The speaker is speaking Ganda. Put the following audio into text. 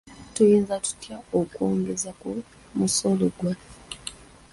Tuyinza tutya okwongeza ku musolo gwaffe?